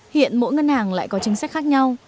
hiện mỗi ngân hàng lại có chính sách khác nhau